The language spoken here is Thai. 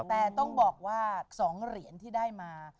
แต่ต้องบอกว่า๒เหรียญที่ได้มา